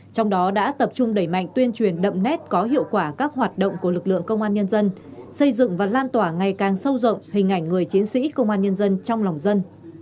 trong đó đã tập trung đẩy mạnh tuyên truyền đậm nét có hiệu quả các hoạt động của lực lượng công an nhân dân xây dựng và lan tỏa ngày càng sâu rộng hình ảnh người chiến sĩ công an nhân dân trong lòng dân